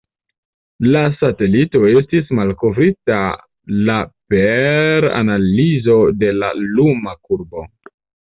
La satelito estis malkovrita la per analizo de la luma kurbo.